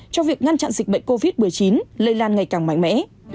trong việc ngăn chặn dịch bệnh covid một mươi chín lây lan ngày càng mạnh mẽ